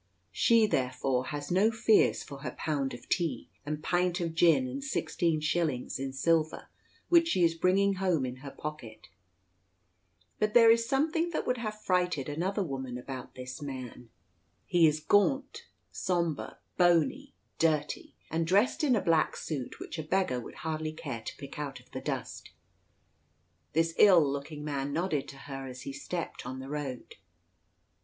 She, therefore, has no fears for her pound of tea, and pint of gin, and sixteen shillings in silver which she is bringing home in her pocket. But there is something that would have frighted another woman about this man. He is gaunt, sombre, bony, dirty, and dressed in a black suit which a beggar would hardly care to pick out of the dust. This ill looking man nodded to her as he stepped on the road.